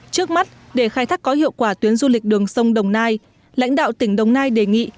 trước mắt để khai thác có hiệu quả tuyến du lịch đường sông đồng nai lãnh đạo tỉnh đồng nai đề nghị